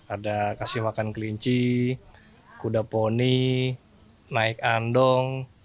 ada kasih makan kelinci kuda poni naik andong